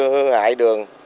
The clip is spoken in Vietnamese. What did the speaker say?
hư hại đường